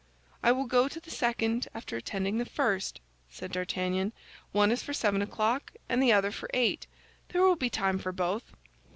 "I will go to the second after attending the first," said D'Artagnan. "One is for seven o'clock, and the other for eight; there will be time for both."